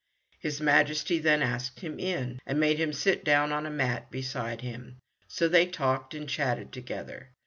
His Majesty then asked him in, and made him sit down on a mat beside him. So they talked and chatted together.